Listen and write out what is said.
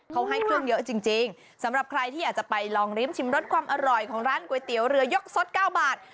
เขาให้เครื่องเยอะจริงสำหรับใครที่อยากจะไปลองริมชิมรสความอร่อยของร้านก๋วยเตี๋ยวเรือยกสด๙บาท